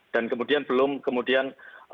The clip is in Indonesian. dan kemudian belum kemudian